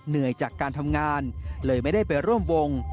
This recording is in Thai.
เหนื่อยจากการทำงานเลยไม่ได้ไปร่วมวง